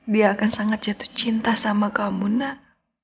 dia akan sangat jatuh cinta sama kamu nak